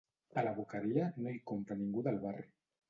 A la Boqueria no hi compra ningú del barri.